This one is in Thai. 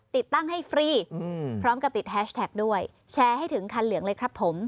ติดตั้งให้ฟรีพร้อมกับติดแฮชแท็กด้วยแชร์ให้ถึงคันเหลืองเลยครับผม